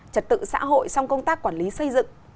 trật tự xã hội xong công tác quản lý xây dựng